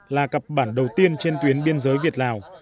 là cặp bản đầu tiên trên tuyến biên giới việt lào